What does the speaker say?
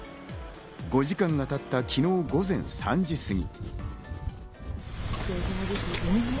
５時間が経った昨日午前３時過ぎ。